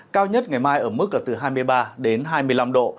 cao nhất ngày mai ở mức là từ hai mươi ba đến hai mươi năm độ